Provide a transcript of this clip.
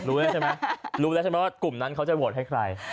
รู้แล้วใช่ไหมรู้แล้วใช่ไหมว่ากลุ่มนั้นเขาจะโหวตให้ใคร